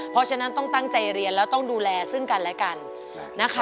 เพราะฉะนั้นต้องตั้งใจเรียนแล้วต้องดูแลซึ่งกันและกันนะคะ